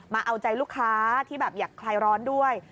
มาเอาใจลูกค้าที่แบบอยากคลายร้อนด้วย